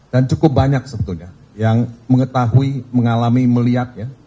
dan cukup banyak sebetulnya yang mengetahui mengalami melihat ya